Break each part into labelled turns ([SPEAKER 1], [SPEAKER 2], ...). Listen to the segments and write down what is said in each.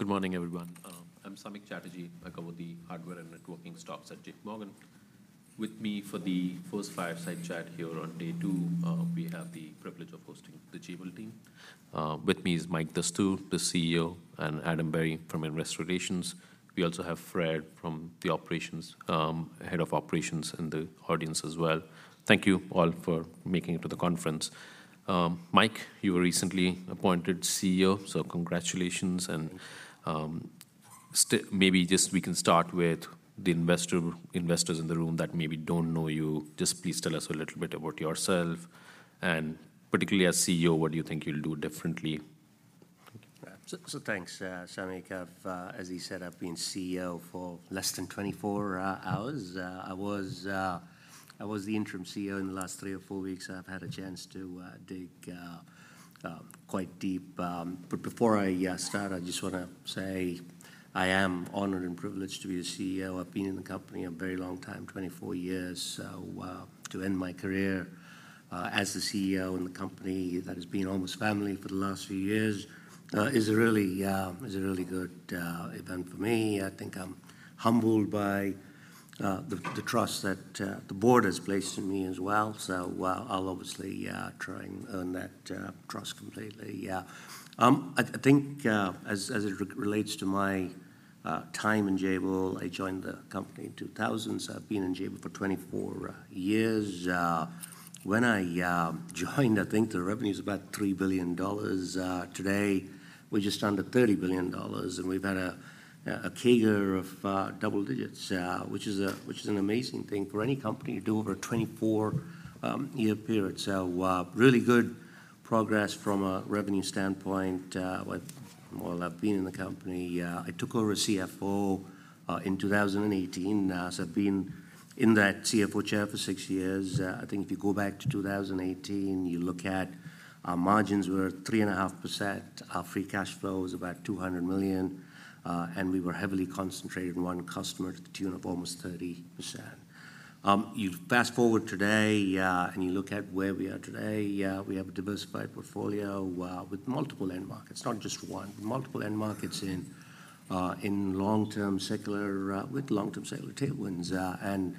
[SPEAKER 1] Good morning, everyone. I'm Samik Chatterjee. I cover the hardware and networking stocks at JPMorgan. With me for the first Fireside Chat here on day two, we have the privilege of hosting the Jabil team. With me is Mike Dastoor, the CEO, and Adam Berry from Investor Relations. We also have Fred from the operations, Head of Operations in the audience as well. Thank you all for making it to the conference. Mike, you were recently appointed CEO, so congratulations. Maybe just we can start with the investors in the room that maybe don't know you. Just please tell us a little bit about yourself, and particularly as CEO, what do you think you'll do differently?
[SPEAKER 2] So, thanks, Samik. As he said, I've been CEO for less than 24 hours. I was the interim CEO in the last three or four weeks. I've had a chance to dig quite deep. But before I start, I just wanna say I am honored and privileged to be a CEO. I've been in the company a very long time, 24 years. So, to end my career as the CEO in the company that has been almost family for the last few years is a really good event for me. I think I'm humbled by the trust that the board has placed in me as well. So, I'll obviously try and earn that trust completely. Yeah. I think, as it relates to my time in Jabil, I joined the company in 2000, so I've been in Jabil for 24 years. When I joined, I think the revenue was about $3 billion. Today, we're just under $30 billion, and we've had a CAGR of double digits, which is an amazing thing for any company to do over a 24-year period. So, really good progress from a revenue standpoint while I've been in the company. I took over as CFO in 2018, so I've been in that CFO chair for 6 years. I think if you go back to 2018, you look at our margins were 3.5%, our free cash flow was about $200 million, and we were heavily concentrated in one customer to the tune of almost 30%. You fast-forward today, and you look at where we are today, we have a diversified portfolio, with multiple end markets, not just one. Multiple end markets in, in long-term secular, with long-term secular tailwinds. And,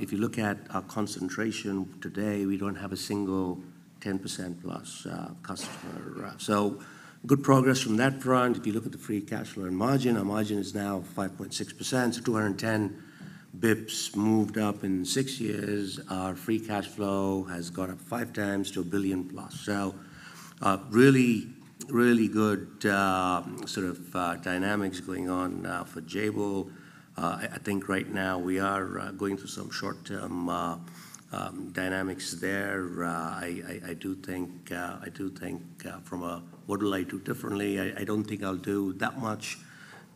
[SPEAKER 2] if you look at our concentration today, we don't have a single 10% plus, customer. So good progress from that front. If you look at the free cash flow and margin, our margin is now 5.6%, so 210 basis points moved up in 6 years. Our free cash flow has gone up 5x to $1 billion plus. So, really, really good, sort of, dynamics going on, for Jabil. I think right now we are going through some short-term, dynamics there. I do think, from a what will I do differently, I don't think I'll do that much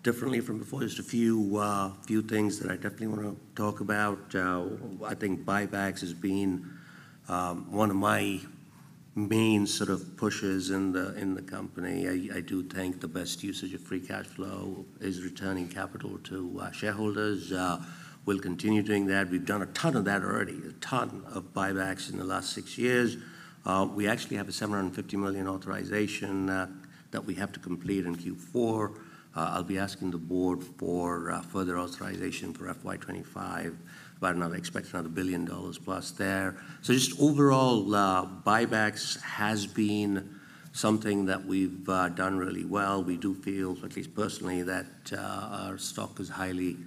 [SPEAKER 2] differently from before. Just a few things that I definitely wanna talk about. I think buybacks has been, one of my main sort of pushes in the company. I do think the best usage of free cash flow is returning capital to shareholders. We'll continue doing that. We've done a ton of that already, a ton of buybacks in the last 6 years. We actually have a $750 million authorization that we have to complete in Q4. I'll be asking the board for further authorization for FY 2025, about another—expect another $1 billion plus there. So just overall, buybacks has been something that we've done really well. We do feel, at least personally, that our stock is highly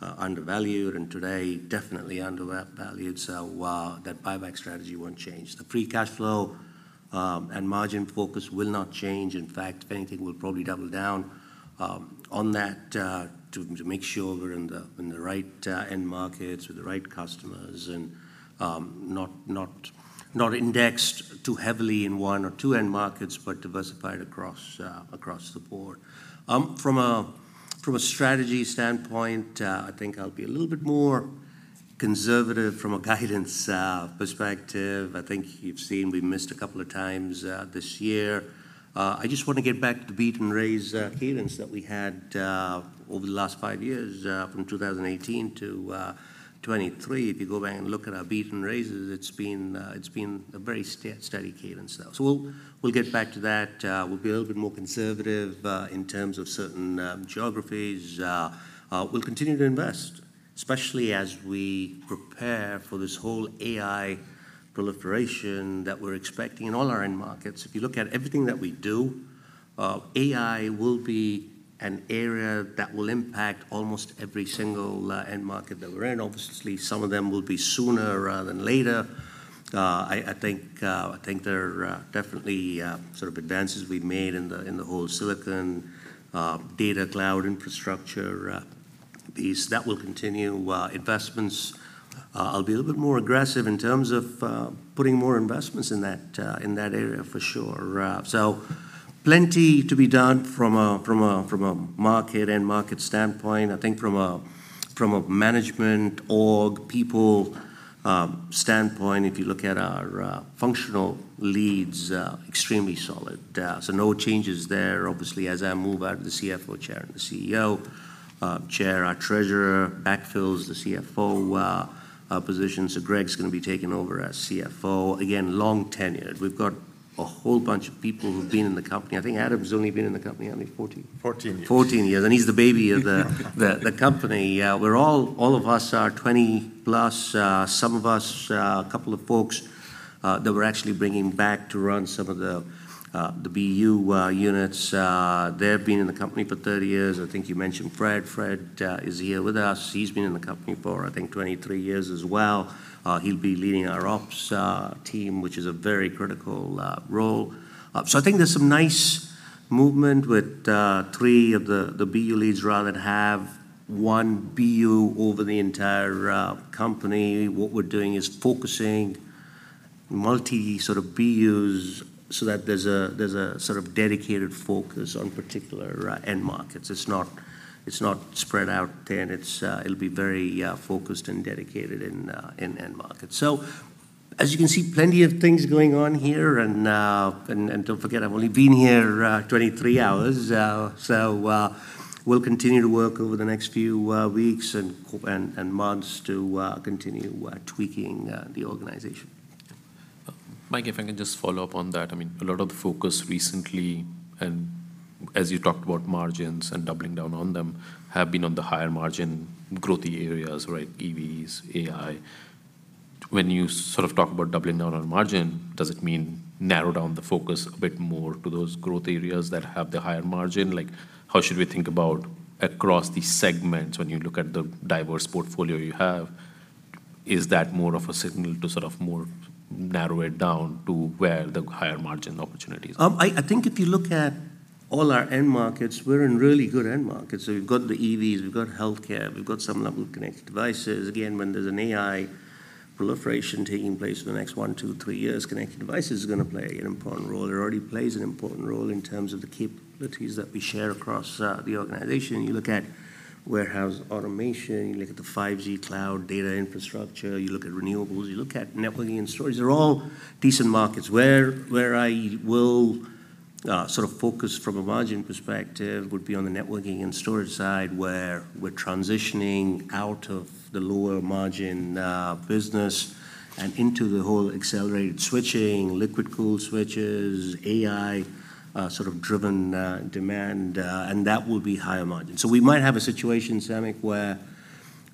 [SPEAKER 2] undervalued, and today, definitely undervalued, so that buyback strategy won't change. The free cash flow and margin focus will not change. In fact, if anything, we'll probably double down on that to make sure we're in the right end markets with the right customers and not indexed too heavily in one or two end markets, but diversified across the board. From a strategy standpoint, I think I'll be a little bit more conservative from a guidance perspective. I think you've seen we missed a couple of times this year. I just wanna get back to the beat and raise cadence that we had over the last 5 years, from 2018-2023. If you go back and look at our beat and raises, it's been a very steady cadence. So we'll get back to that. We'll be a little bit more conservative in terms of certain geographies. We'll continue to invest, especially as we prepare for this whole AI proliferation that we're expecting in all our end markets. If you look at everything that we do, AI will be an area that will impact almost every single end market that we're in. Obviously, some of them will be sooner rather than later. I think there are definitely sort of advances we've made in the whole silicon data cloud infrastructure piece. That will continue. Investments, I'll be a little bit more aggressive in terms of putting more investments in that area, for sure. So plenty to be done from a market standpoint. I think from a management org, people standpoint, if you look at our functional leads, extremely solid. So no changes there. Obviously, as I move out of the CFO chair and the CEO chair, our treasurer backfills the CFO position, so Greg's gonna be taking over as CFO. Again, long tenured. We've got a whole bunch of people who've been in the company. I think Adam's only been in the company, how many? 14?
[SPEAKER 3] 14.
[SPEAKER 2] 14 years, and he's the baby of the company. We're all of us are 20+. Some of us, a couple of folks that we're actually bringing back to run some of the BU units, they've been in the company for 30 years. I think you mentioned Fred. Fred is here with us. He's been in the company for, I think, 23 years as well. He'll be leading our ops team, which is a very critical role. So I think there's some nice movement with three of the BU leads rather than have one BU over the entire company. What we're doing is focusing multi sort of BUs so that there's a sort of dedicated focus on particular end markets. It's not spread out thin. It's, it'll be very focused and dedicated in end markets. So as you can see, plenty of things going on here, and don't forget, I've only been here 23 hours. So we'll continue to work over the next few weeks and months to continue tweaking the organization.
[SPEAKER 1] Mike, if I can just follow up on that. I mean, a lot of the focus recently, and as you talked about margins and doubling down on them, have been on the higher margin growthy areas, right? EVs, AI. When you sort of talk about doubling down on margin, does it mean narrow down the focus a bit more to those growth areas that have the higher margin? Like, how should we think about across these segments when you look at the diverse portfolio you have, is that more of a signal to sort of more narrow it down to where the higher margin opportunity is?
[SPEAKER 2] I think if you look at all our end markets, we're in really good end markets. So we've got the EVs, we've got healthcare, we've got some level of connected devices. Again, when there's an AI proliferation taking place in the next 1, 2, 3 years, connected devices is gonna play an important role. It already plays an important role in terms of the capabilities that we share across the organization. You look at warehouse automation, you look at the 5G cloud data infrastructure, you look at renewables, you look at networking and storage. They're all decent markets. Where I will sort of focus from a margin perspective would be on the networking and storage side, where we're transitioning out of the lower margin business and into the whole accelerated switching, liquid-cooled switches, AI sort of driven demand, and that will be higher margin. So we might have a situation, Samik, where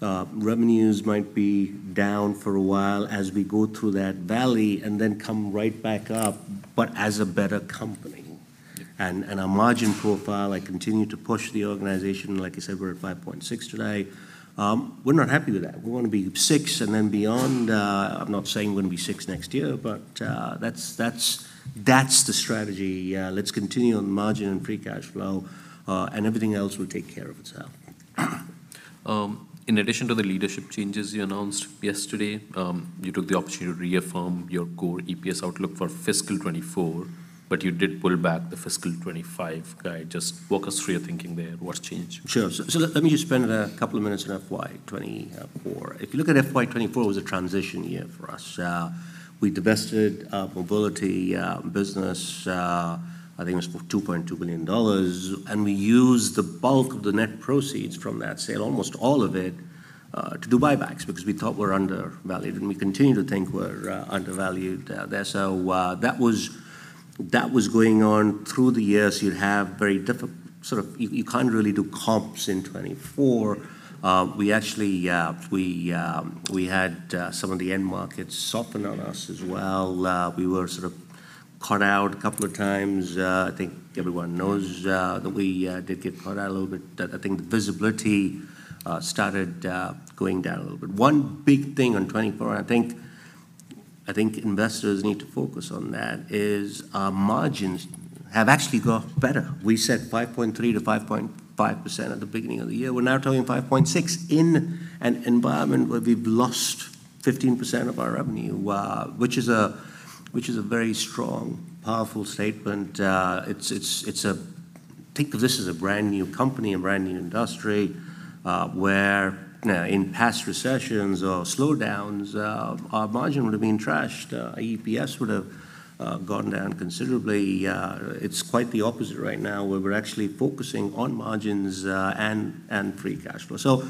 [SPEAKER 2] revenues might be down for a while as we go through that valley and then come right back up, but as a better company.
[SPEAKER 1] Mm.
[SPEAKER 2] Our margin profile, I continue to push the organization. Like I said, we're at 5.6 today. We're not happy with that. We wanna be 6 and then beyond. I'm not saying we're gonna be 6 next year, but that's the strategy. Let's continue on the margin and free cash flow, and everything else will take care of itself.
[SPEAKER 1] In addition to the leadership changes you announced yesterday, you took the opportunity to reaffirm your core EPS outlook for fiscal 2024, but you did pull back the fiscal 2025 guide. Just walk us through your thinking there. What's changed?
[SPEAKER 2] Sure. So, so let me just spend a couple of minutes on FY 2024. If you look at FY 2024, it was a transition year for us. We divested our mobility business, I think it was for $2.2 billion, and we used the bulk of the net proceeds from that sale, almost all of it, to do buybacks, because we thought we're undervalued, and we continue to think we're undervalued there. So, that was, that was going on through the year. You'd have very difficult—sort of, you can't really do comps in 2024. We actually, we had some of the end markets soften on us as well. We were sort of cut out a couple of times. I think everyone knows that we did get cut out a little bit. I think the visibility started going down a little bit. One big thing on 2024, and I think investors need to focus on that, is our margins have actually got better. We said 5.3%-5.5% at the beginning of the year. We're now talking 5.6% in an environment where we've lost 15% of our revenue, which is a very strong, powerful statement. It's a... Think of this as a brand-new company, a brand-new industry, where in past recessions or slowdowns, our margin would have been trashed. EPS would have gone down considerably. It's quite the opposite right now, where we're actually focusing on margins, and free cash flow. So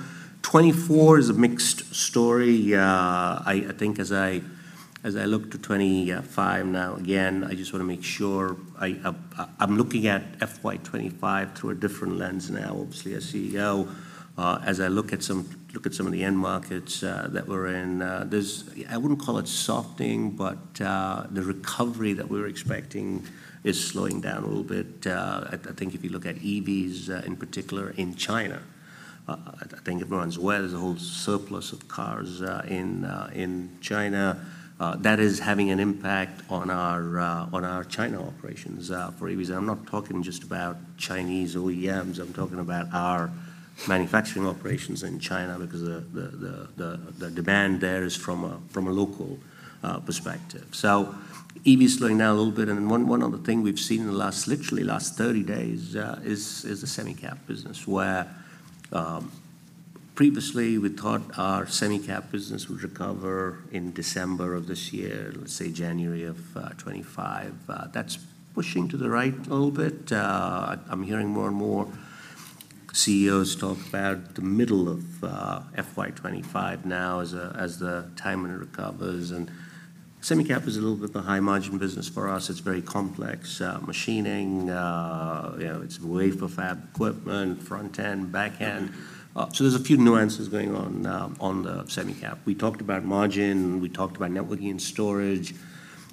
[SPEAKER 2] 2024 is a mixed story. I think as I look to 2025 now, again, I just wanna make sure I'm looking at FY 2025 through a different lens now. Obviously, as CEO, as I look at some of the end markets that we're in, there's, I wouldn't call it softening, but the recovery that we're expecting is slowing down a little bit. I think if you look at EVs, in particular in China, I think everyone's aware there's a whole surplus of cars, in China. That is having an impact on our China operations for EVs. I'm not talking just about Chinese OEMs. I'm talking about our manufacturing operations in China, because the demand there is from a local perspective. So EV is slowing down a little bit, and one other thing we've seen in the last, literally last 30 days, is the semi-cap business, where previously we thought our semi-cap business would recover in December of this year, let's say January of 2025. That's pushing to the right a little bit. I'm hearing more and more CEOs talk about the middle of FY 2025 now as the timing recovers, and semi-cap is a little bit of a high-margin business for us. It's very complex. Machining, you know, it's wafer fab equipment, front end, back end. So there's a few nuances going on, on the semi-cap. We talked about margin, we talked about networking and storage.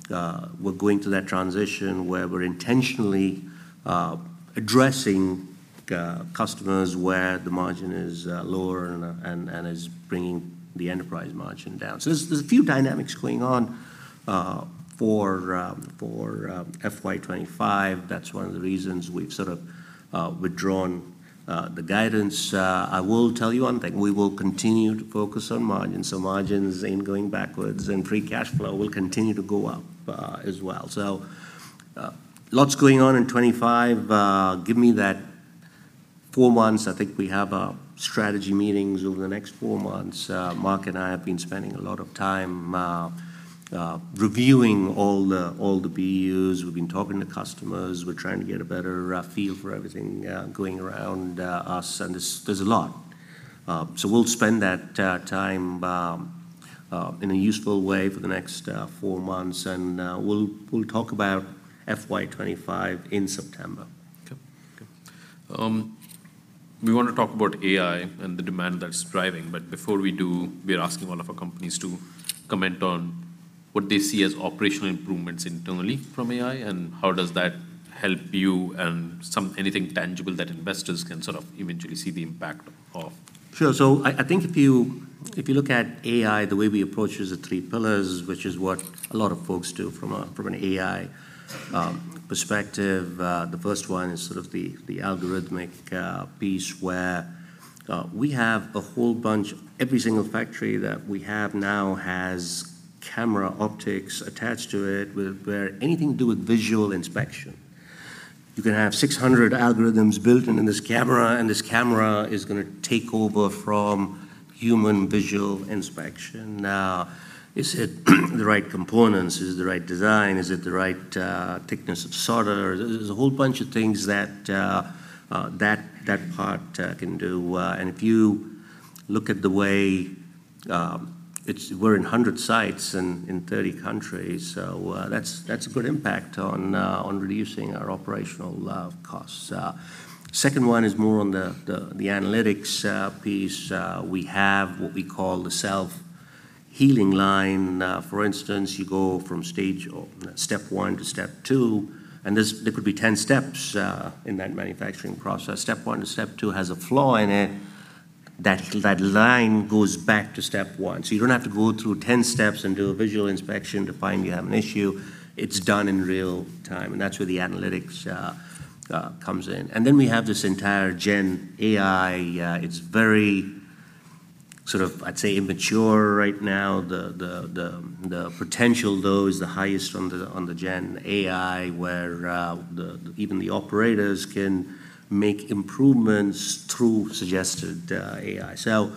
[SPEAKER 2] We're going through that transition where we're intentionally addressing customers where the margin is lower and, and, and is bringing the enterprise margin down. So there's, there's a few dynamics going on, for, for, FY 2025. That's one of the reasons we've sort of withdrawn the guidance. I will tell you one thing: we will continue to focus on margins, so margins ain't going backwards, and free cash flow will continue to go up, as well. So, lots going on in 2025. Give me that four months. I think we have strategy meetings over the next four months. Mark and I have been spending a lot of time reviewing all the BUs. We've been talking to customers. We're trying to get a better feel for everything going around us, and there's a lot. So we'll spend that time in a useful way for the next 4 months, and we'll talk about FY 2025 in September.
[SPEAKER 1] Okay. We want to talk about AI and the demand that's driving, but before we do, we're asking all of our companies to comment on what they see as operational improvements internally from AI, and how does that help you, and anything tangible that investors can sort of eventually see the impact of?
[SPEAKER 2] Sure, so I think if you look at AI, the way we approach it is the three pillars, which is what a lot of folks do from an AI perspective. The first one is sort of the algorithmic piece, where we have a whole bunch... Every single factory that we have now has camera optics attached to it with where anything to do with visual inspection. You can have 600 algorithms built in this camera, and this camera is gonna take over from human visual inspection. Is it the right components? Is it the right design? Is it the right thickness of solder? There's a whole bunch of things that that part can do. If you look at the way we're in 100 sites and in 30 countries, so that's, that's a good impact on reducing our operational costs. Second one is more on the analytics piece. We have what we call the self-healing line. For instance, you go from stage or step one to step two, and there could be 10 steps in that manufacturing process. Step one to step two has a flaw in it, that line goes back to step one. So you don't have to go through 10 steps and do a visual inspection to find you have an issue. It's done in real time, and that's where the analytics comes in. And then we have this entire GenAI. It's very sort of, I'd say, immature right now. The potential, though, is the highest on the GenAI, where even the operators can make improvements through suggested AI. So,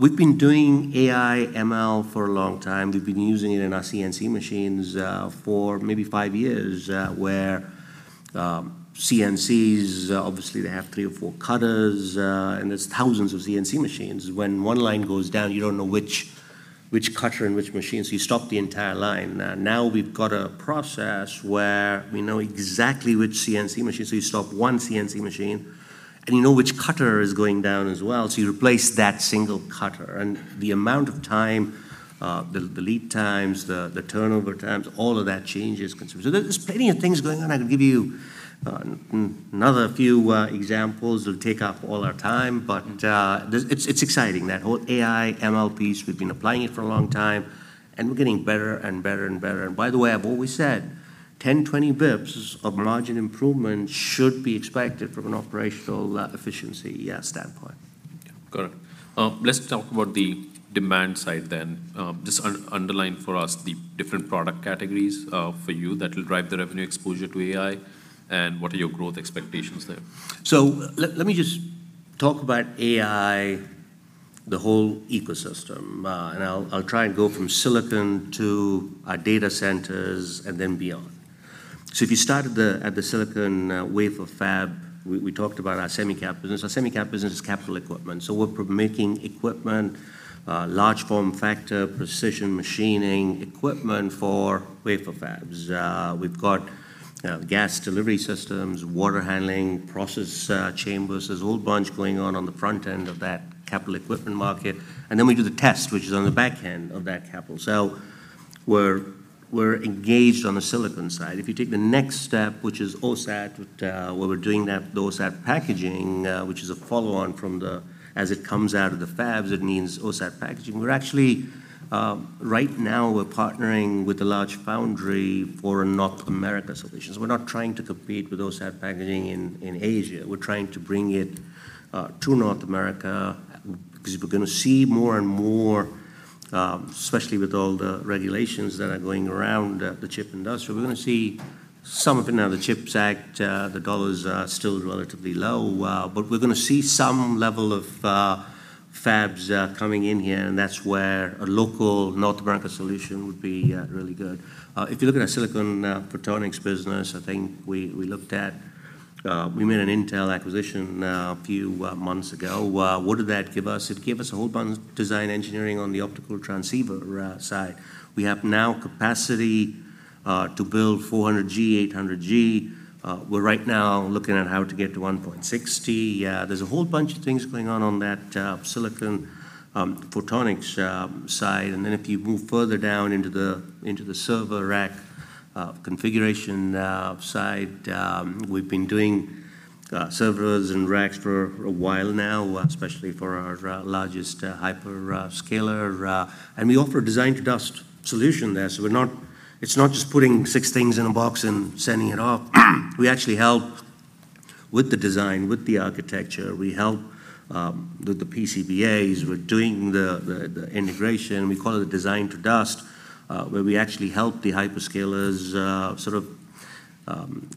[SPEAKER 2] we've been doing AI, ML for a long time. We've been using it in our CNC machines for maybe 5 years, where CNCs obviously they have three or four cutters, and there's thousands of CNC machines. When one line goes down, you don't know which cutter and which machine, so you stop the entire line. Now we've got a process where we know exactly which CNC machine, so you stop one CNC machine, and you know which cutter is going down as well, so you replace that single cutter. And the amount of time, the lead times, the turnover times, all of that changes considerably. So there, there's plenty of things going on. I can give you another few examples. It'll take up all our time, but-
[SPEAKER 1] Mm....
[SPEAKER 2] it's exciting, that whole AI, ML piece. We've been applying it for a long time, and we're getting better and better and better. And by the way, I've always said, 10, 20 basis points-
[SPEAKER 1] Mm....
[SPEAKER 2] of margin improvement should be expected from an operational efficiency standpoint.
[SPEAKER 1] Yeah. Got it. Let's talk about the demand side then. Just underline for us the different product categories, for you, that will drive the revenue exposure to AI, and what are your growth expectations there?
[SPEAKER 2] So let me just talk about AI, the whole ecosystem, and I'll try and go from silicon to our data centers and then beyond. So if you start at the silicon wafer fab, we talked about our semi-cap business. Our semi-cap business is capital equipment, so we're producing equipment, large form factor, precision machining equipment for wafer fabs. We've got gas delivery systems, water handling, process chambers. There's a whole bunch going on on the front end of that capital equipment market, and then we do the test, which is on the back end of that capital. So we're engaged on the silicon side. If you take the next step, which is OSAT, where we're doing that, the OSAT packaging, which is a follow-on from the... As it comes out of the fabs, it needs OSAT packaging. We're actually right now partnering with a large foundry for a North America solution. We're not trying to compete with OSAT packaging in Asia. We're trying to bring it to North America because we're gonna see more and more, especially with all the regulations that are going around the chip industry, we're gonna see some of it now, the CHIPS Act. The dollar is still relatively low, but we're gonna see some level of fabs coming in here, and that's where a local North America solution would be really good. If you look at our silicon photonics business, I think we looked at, we made an Intel acquisition a few months ago. What did that give us? It gave us a whole bunch design engineering on the optical transceiver side. We have now capacity to build 400G, 800G. We're right now looking at how to get to 1.6T. There's a whole bunch of things going on on that silicon photonics side. And then if you move further down into the server rack configuration side, we've been doing servers and racks for a while now, especially for our largest hyperscaler, and we offer a Design-to-Dust solution there. So it's not just putting six things in a box and sending it off. We actually help with the design, with the architecture. We help with the PCBAs. We're doing the integration. We call it Design-to-Dust, where we actually help the hyperscalers sort of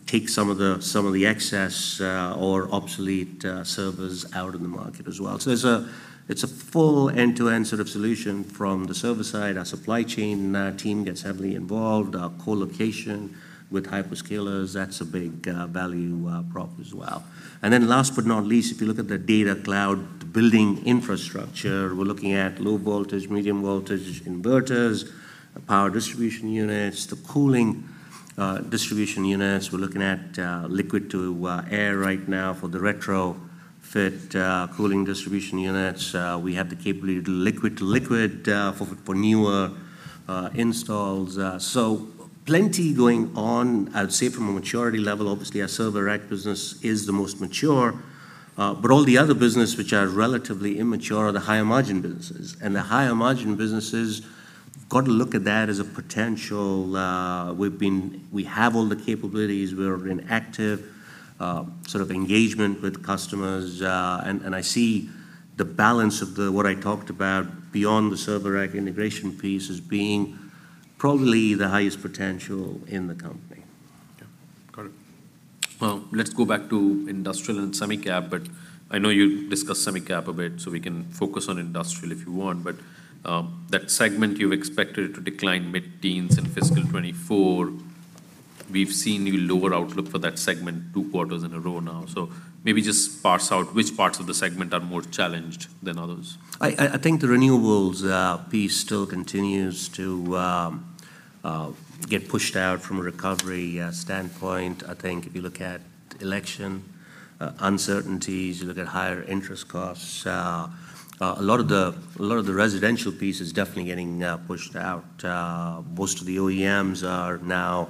[SPEAKER 2] take some of the excess or obsolete servers out of the market as well. So it's a full end-to-end sort of solution from the server side. Our supply chain team gets heavily involved. Our co-location with hyperscalers, that's a big value prop as well. And then last but not least, if you look at the data cloud building infrastructure, we're looking at low voltage, medium voltage inverters, power distribution units, the cooling distribution units. We're looking at liquid-to-air right now for the retrofit cooling distribution units. We have the capability to do liquid-to-liquid for newer installs. So plenty going on. I'd say from a maturity level, obviously, our server rack business is the most mature, but all the other business which are relatively immature are the higher margin businesses. And the higher margin businesses, got to look at that as a potential. We've been—we have all the capabilities. We're in active, sort of engagement with customers, and I see the balance of the—what I talked about beyond the server rack integration piece as being probably the highest potential in the company.
[SPEAKER 1] Okay, got it. Well, let's go back to Industrial and Semi-Cap, but I know you discussed Semi-Cap a bit, so we can focus on Industrial if you want. But, that segment you expected to decline mid-teens in fiscal 2024. We've seen you lower outlook for that segment two quarters in a row now. So maybe just parse out which parts of the segment are more challenged than others.
[SPEAKER 2] I think the renewables piece still continues to get pushed out from a recovery standpoint. I think if you look at election uncertainties, you look at higher interest costs, a lot of the residential piece is definitely getting pushed out. Most of the OEMs are now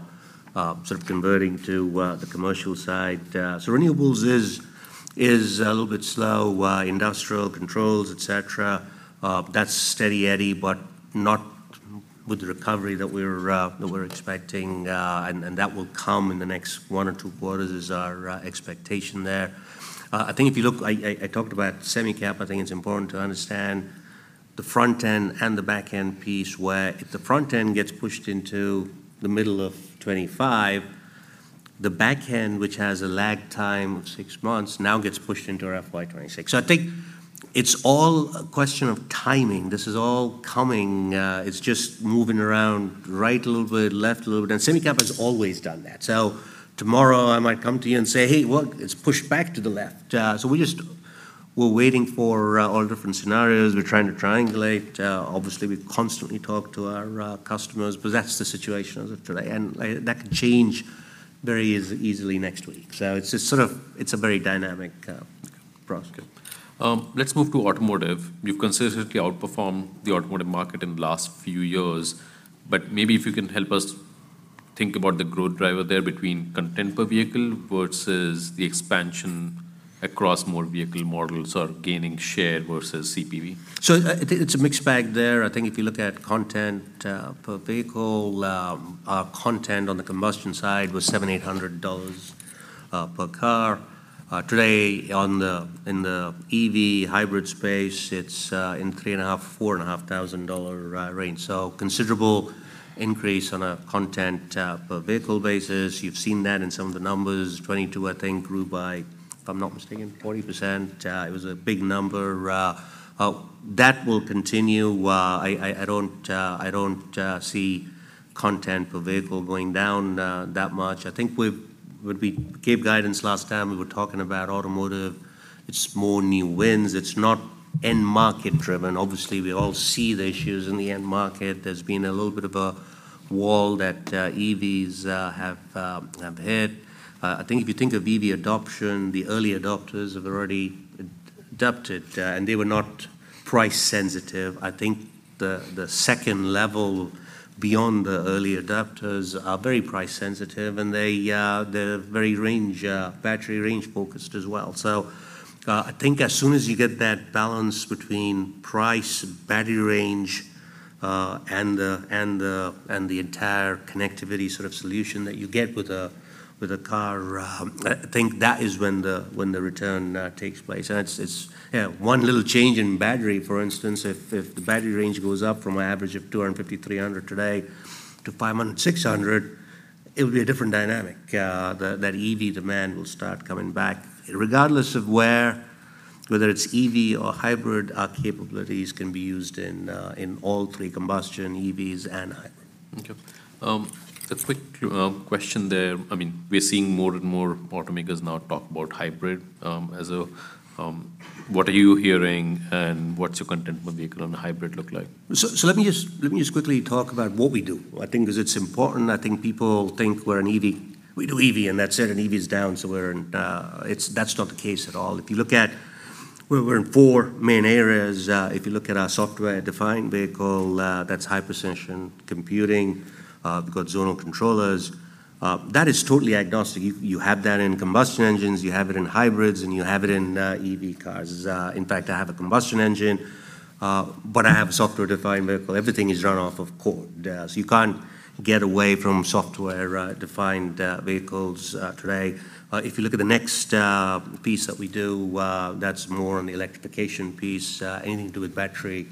[SPEAKER 2] sort of converting to the commercial side. So renewables is a little bit slow. Industrial controls, et cetera, that's steady Eddie, but not with the recovery that we're expecting, and that will come in the next one or two quarters is our expectation there. I think if you look... I talked about Semi-Cap. I think it's important to understand the front end and the back end piece, where if the front end gets pushed into the middle of 2025, the back end, which has a lag time of 6 months, now gets pushed into FY 2026. So I think it's all a question of timing. This is all coming, it's just moving around right a little bit, left a little bit, and semi-cap has always done that. So tomorrow I might come to you and say, "Hey, well, it's pushed back to the left." So we just, we're waiting for all different scenarios. We're trying to triangulate. Obviously, we constantly talk to our customers, but that's the situation as of today, and that could change very easily next week. So it's just sort of, it's a very dynamic process.
[SPEAKER 1] Let's move to Automotive. You've consistently outperformed the automotive market in the last few years, but maybe if you can help us think about the growth driver there between content per vehicle versus the expansion across more vehicle models or gaining share versus CPV.
[SPEAKER 2] So I think it's a mixed bag there. I think if you look at content per vehicle, our content on the combustion side was $700-$800 per car. Today in the EV hybrid space, it's in $3,500-$4,500 range. So considerable increase on a content per vehicle basis. You've seen that in some of the numbers. 2022, I think, grew by, if I'm not mistaken, 40%. It was a big number. That will continue. I don't see content per vehicle going down that much. I think we've, when we gave guidance last time, we were talking about Automotive. It's more new wins. It's not end market driven. Obviously, we all see the issues in the end market. There's been a little bit of a wall that EVs have hit. I think if you think of EV adoption, the early adopters have already adopted, and they were not price sensitive. I think the second level beyond the early adapters are very price sensitive, and they, they're very range, battery range focused as well. So, I think as soon as you get that balance between price, battery range, and the entire connectivity sort of solution that you get with a car, I think that is when the return takes place. And it's, you know, one little change in battery, for instance, if the battery range goes up from an average of 250-300 today to 500-600-... It will be a different dynamic. That EV demand will start coming back, regardless of where, whether it's EV or hybrid, our capabilities can be used in all three: combustion, EVs, and hybrid.
[SPEAKER 1] Okay. A quick question there. I mean, we're seeing more and more automakers now talk about hybrid as a... What are you hearing, and what's your content for vehicle on the hybrid look like?
[SPEAKER 2] So let me just quickly talk about what we do. I think 'cause it's important. I think people think we're an EV. We do EV, and that's it, and EV is down, so we're in, that's not the case at all. If you look at where we're in four main areas, if you look at our software-defined vehicle, that's high-precision computing, we've got zonal controllers. That is totally agnostic. You have that in combustion engines, you have it in hybrids, and you have it in EV cars. In fact, I have a combustion engine, but I have a software-defined vehicle. Everything is run off of code, so you can't get away from software-defined vehicles today. If you look at the next piece that we do, that's more on the electrification piece, anything to do with battery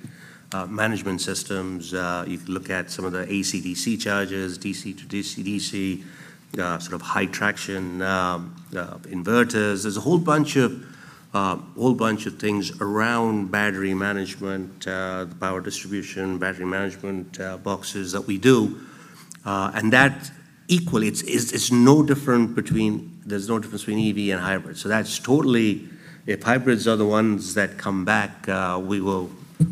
[SPEAKER 2] management systems, if you look at some of the AC/DC chargers, DC-to-DC, sort of high traction, inverters. There's a whole bunch of whole bunch of things around battery management, the power distribution, battery management boxes that we do, and that equally, it's, it's, it's no different between- there's no difference between EV and hybrid. So that's totally... If hybrids are the ones that come back, we will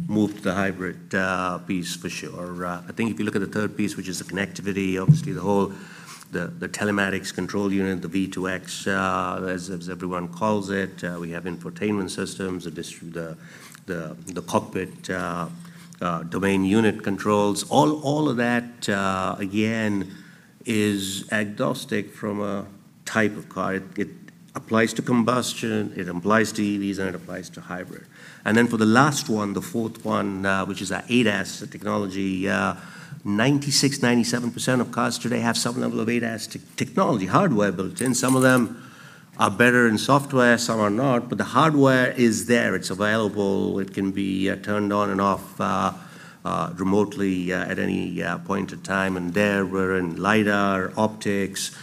[SPEAKER 2] move to the hybrid piece for sure. I think if you look at the third piece, which is the connectivity, obviously the whole, the telematics control unit, the V2X, as everyone calls it, we have infotainment systems, the cockpit domain unit controls. All of that, again, is agnostic from a type of car. It applies to combustion, it applies to EVs, and it applies to hybrid. And then for the last one, the fourth one, which is our ADAS technology, 96%-97% of cars today have some level of ADAS technology hardware built in. Some of them are better in software, some are not, but the hardware is there. It's available. It can be turned on and off remotely, at any point in time. And there, we're in lidar, optics,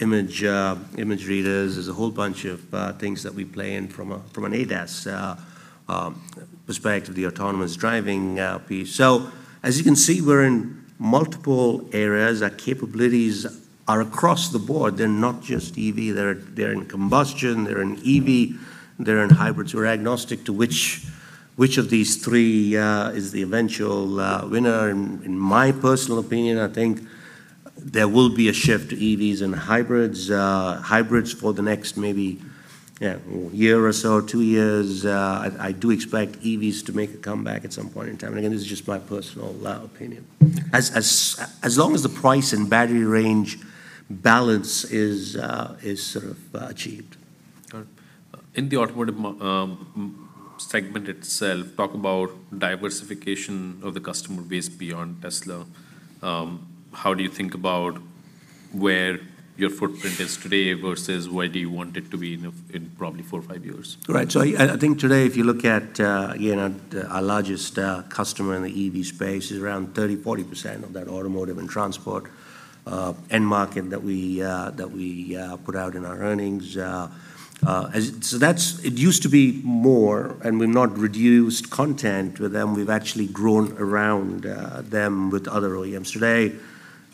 [SPEAKER 2] image readers. There's a whole bunch of things that we play in from a, from an ADAS perspective, the autonomous driving piece. So as you can see, we're in multiple areas. Our capabilities are across the board. They're not just EV. They're in combustion, they're in EV, they're in hybrids. We're agnostic to which of these three is the eventual winner. In my personal opinion, I think there will be a shift to EVs and hybrids. Hybrids for the next maybe year or so, 2 years. I do expect EVs to make a comeback at some point in time. Again, this is just my personal opinion. As long as the price and battery range balance is sort of achieved.
[SPEAKER 1] In the Automotive segment itself, talk about diversification of the customer base beyond Tesla. How do you think about where your footprint is today versus where you want it to be in probably 4 or 5 years?
[SPEAKER 2] Right. So I think today, if you look at, you know, our largest customer in the EV space is around 30%-40% of that Automotive and Transport end market that we put out in our earnings. So that's it used to be more, and we've not reduced content with them. We've actually grown around them with other OEMs. Today,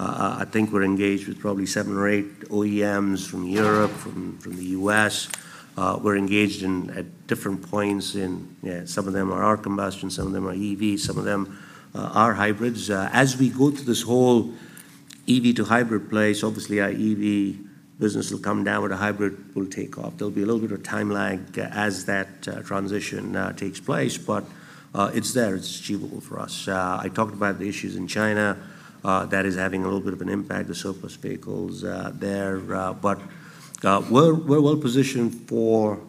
[SPEAKER 2] I think we're engaged with probably seven or eight OEMs from Europe, from the US. We're engaged at different points in. Some of them are our combustion, some of them are EV, some of them are hybrids. As we go through this whole EV to hybrid place, obviously, our EV business will come down, but the hybrid will take off. There'll be a little bit of time lag as that transition takes place, but it's there. It's achievable for us. I talked about the issues in China. That is having a little bit of an impact, the surplus vehicles there, but we're well-positioned for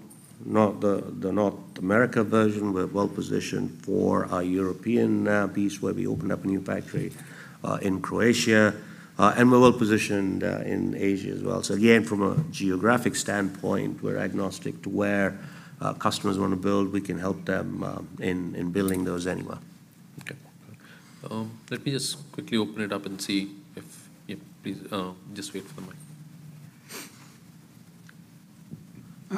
[SPEAKER 2] the North America version. We're well-positioned for our European piece, where we opened up a new factory in Croatia, and we're well-positioned in Asia as well. So again, from a geographic standpoint, we're agnostic to where our customers wanna build. We can help them in building those anywhere.
[SPEAKER 1] Okay. Let me just quickly open it up and see if... Yeah, please, just wait for the mic.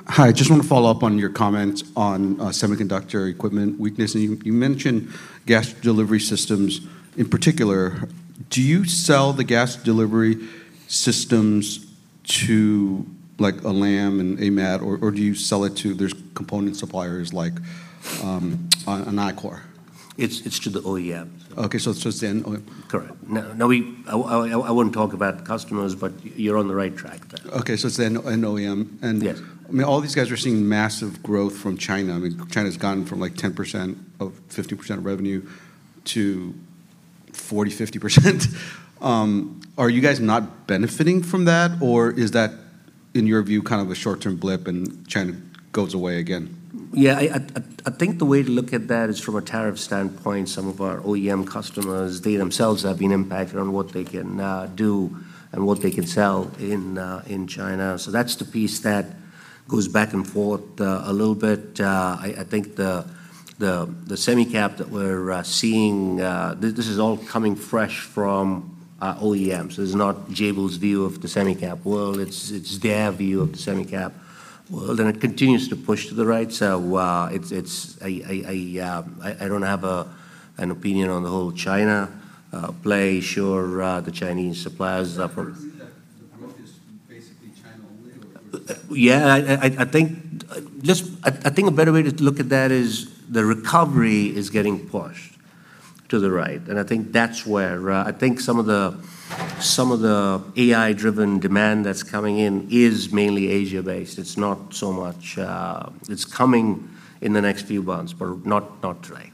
[SPEAKER 4] Hi, I just want to follow up on your comments on semiconductor equipment weakness, and you mentioned gas delivery systems in particular. Do you sell the gas delivery systems to, like, a Lam and AMAT, or do you sell it to their component suppliers, like an Amkor?
[SPEAKER 2] It's, it's to the OEMs.
[SPEAKER 4] Okay, so it's just the end OEM.
[SPEAKER 2] Correct. Now, I wouldn't talk about the customers, but you're on the right track there.
[SPEAKER 4] Okay, so it's an OEM.
[SPEAKER 2] Yes.
[SPEAKER 4] I mean, all these guys are seeing massive growth from China. I mean, China's gone from, like, 10%-50% of revenue to 40%-50%. Are you guys not benefiting from that, or is that, in your view, kind of a short-term blip, and China goes away again?
[SPEAKER 2] Yeah, I think the way to look at that is from a tariff standpoint. Some of our OEM customers, they themselves have been impacted on what they can do and what they can sell in China. So that's the piece that goes back and forth a little bit. I think the semi-cap that we're seeing, this is all coming fresh from OEMs. This is not Jabil's view of the semi-cap world, it's their view of the semi-cap world, and it continues to push to the right. So, it's, I don't have an opinion on the whole China play. Sure, the Chinese suppliers are for-
[SPEAKER 4] Do you view that the growth is basically China only or?
[SPEAKER 2] Yeah, I think a better way to look at that is the recovery is getting pushed to the right, and I think that's where I think some of the AI-driven demand that's coming in is mainly Asia-based. It's not so much... It's coming in the next few months, but not today.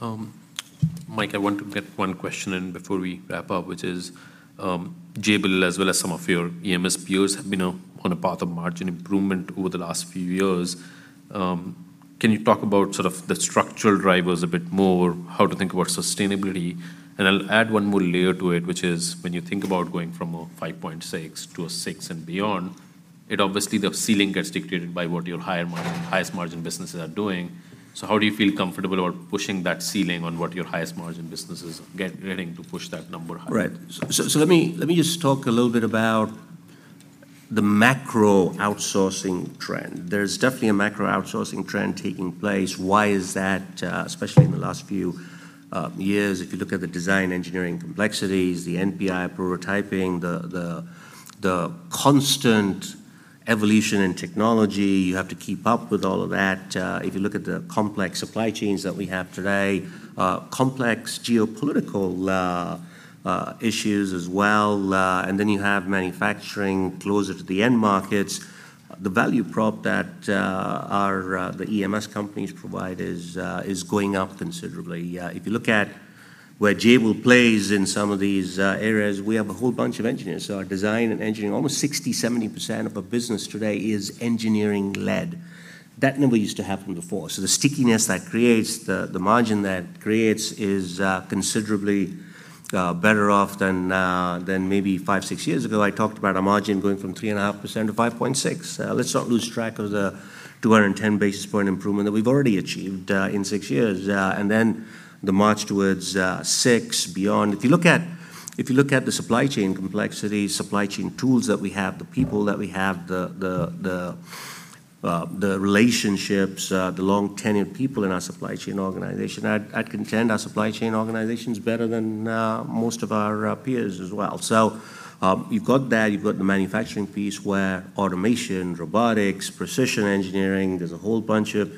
[SPEAKER 1] Yeah. Mike, I want to get one question in before we wrap up, which is, Jabil, as well as some of your EMS peers, have been on a path of margin improvement over the last few years. Can you talk about sort of the structural drivers a bit more, how to think about sustainability? And I'll add one more layer to it, which is when you think about going from a 5.6 to a 6 and beyond, it obviously the ceiling gets dictated by what your higher margin, highest margin businesses are doing. So how do you feel comfortable about pushing that ceiling on what your highest margin businesses getting to push that number higher?
[SPEAKER 2] Right. So let me just talk a little bit about the macro outsourcing trend. There's definitely a macro outsourcing trend taking place. Why is that? Especially in the last few years, if you look at the design engineering complexities, the NPI prototyping, the constant evolution in technology, you have to keep up with all of that. If you look at the complex supply chains that we have today, complex geopolitical issues as well, and then you have manufacturing closer to the end markets. The value prop that our EMS companies provide is going up considerably. If you look at where Jabil plays in some of these areas, we have a whole bunch of engineers. So our design and engineering, almost 60%-70% of our business today is engineering-led. That never used to happen before. So the stickiness that creates, the margin that creates, is considerably better off than maybe 5-6 years ago. I talked about our margin going from 3.5% to 5.6%. Let's not lose track of the 210 basis point improvement that we've already achieved in 6 years. And then the march towards 6 beyond. If you look at the supply chain complexity, supply chain tools that we have, the people that we have, the relationships, the long-tenured people in our supply chain organization, I'd contend our supply chain organization's better than most of our peers as well. So you've got that. You've got the manufacturing piece, where automation, robotics, precision engineering, there's a whole bunch of...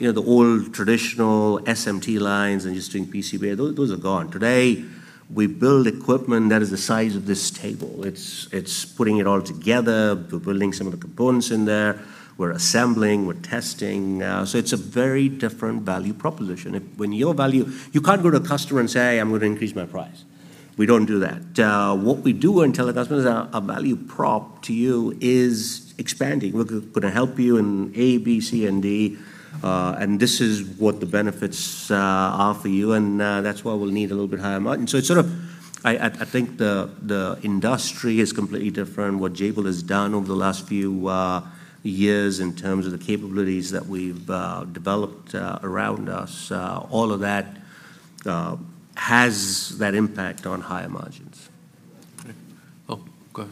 [SPEAKER 2] You know, the old traditional SMT lines and just doing PCBA, those, those are gone. Today, we build equipment that is the size of this table. It's putting it all together. We're building some of the components in there. We're assembling, we're testing. So it's a very different value proposition. You can't go to a customer and say, "I'm gonna increase my price." We don't do that. What we do tell the customer is our value prop to you is expanding. We're gonna help you in A, B, C, and D, and this is what the benefits are for you, and that's why we'll need a little bit higher margin. So it's sort of, I think the industry is completely different. What Jabil has done over the last few years in terms of the capabilities that we've developed around us, all of that, has that impact on higher margins?
[SPEAKER 1] Right. Oh, go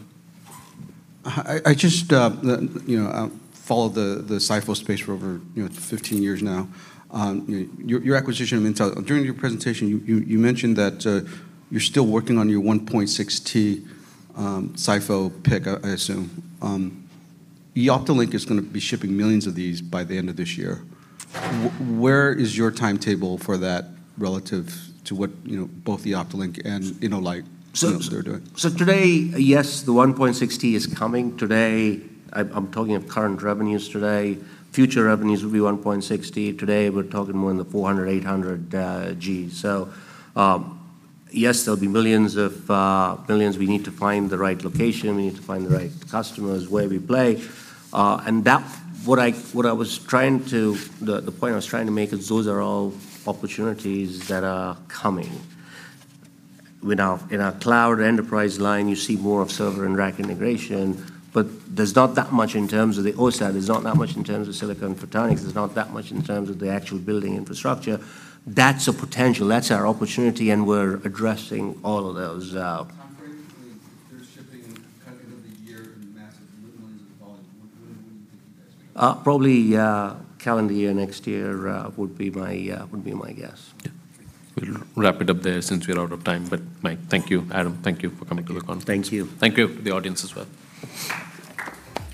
[SPEAKER 1] ahead.
[SPEAKER 4] I just, you know, I've followed the SiPho space for over 15 years now. Your acquisition of Intel... During your presentation, you mentioned that you're still working on your 1.6T SiPho PIC, I assume. Eoptolink is gonna be shipping millions of these by the end of this year. Where is your timetable for that relative to what, you know, both the Eoptolink and InnoLight teams are doing?
[SPEAKER 2] So today, yes, the 1.6T is coming. Today, I'm talking of current revenues today, future revenues will be 1.6T. Today, we're talking more in the 400, 800G. So, yes, there'll be millions of billions. We need to find the right location, we need to find the right customers where we play. And that, what I was trying to... The point I was trying to make is those are all opportunities that are coming. In our cloud enterprise line, you see more of server and rack integration, but there's not that much in terms of the OSAT, there's not that much in terms of silicon photonics, there's not that much in terms of the actual building infrastructure. That's a potential, that's our opportunity, and we're addressing all of those.
[SPEAKER 4] Concretely, they're shipping kind of end of the year in massive millions of volume. When do you think you guys are?
[SPEAKER 2] Probably, calendar year next year, would be my guess.
[SPEAKER 1] Yeah. We'll wrap it up there since we're out of time. But, Mike, thank you. Adam, thank you for coming to the conference.
[SPEAKER 2] Thank you.
[SPEAKER 1] Thank you to the audience as well.